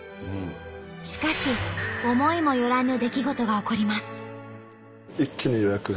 しかし思いもよらぬ出来事が起こります。